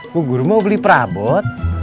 bu guru mau beli perabot